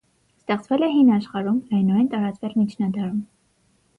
Ստեղծվել է հին աշխարհում, լայնորեն տարածվել միջնադարում։